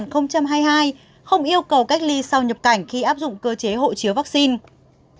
không yêu cầu cách ly sau nhập cảnh khi áp dụng cơ chế hộ chiếu vaccine